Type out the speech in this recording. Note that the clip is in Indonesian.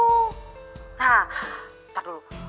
nah tar dulu